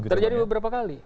terjadi beberapa kali